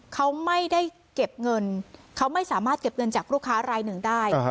เขาไม่ได้เก็บเงินเขาไม่สามารถเก็บเงินจากลูกค้ารายหนึ่งได้